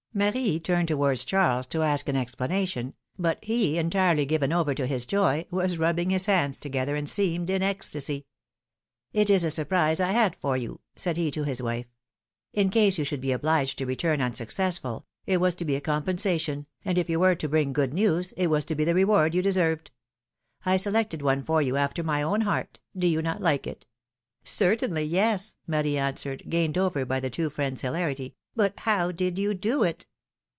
'^ Marie turned towards Charles to ask an explanation, but he, entirely given over to his joy, was rubbing his hands together, and seemed in ecstasy. It is a surprise I had for you,^^ said he to his wife. ^^In case you should be obliged to return unsuccessful, it was to be a compensation, and if you were to bring good news, it was to be the reward you deserved. I selected one for you after rny own heart; do you not like it?^^ Certainly, yes,^^ Marie answered, gained over by the two friends' hilarity. ^^But how did you do it?"